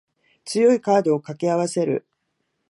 強いカードを掛け合わせる